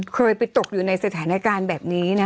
เคยไปตกอยู่ในสถานการณ์แบบนี้นะ